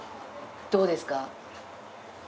どうですか？